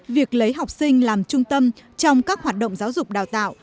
việc lấy học sinh làm trung tâm trong các hoạt động giáo dục đào tạo